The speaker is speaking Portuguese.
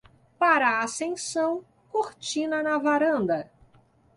Para a ascensão, cortina na varanda.